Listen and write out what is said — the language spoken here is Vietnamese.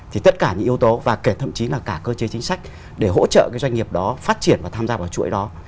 thì tất cả những yếu tố và kể thậm chí là cả cơ chế chính sách để hỗ trợ cái doanh nghiệp đó phát triển và tham gia vào chuỗi đó